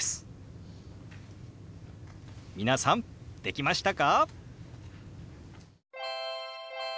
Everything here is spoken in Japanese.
皆さんできましたか？